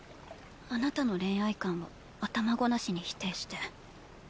あなたの恋愛観を頭ごなしに否定して。